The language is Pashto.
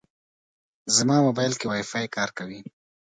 زما موبایل کې وايفای کار کوي.